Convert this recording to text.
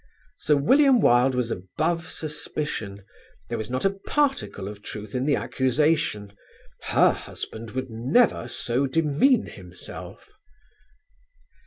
Sir William Wilde was above suspicion. There was not a particle of truth in the accusation; her husband would never so demean himself.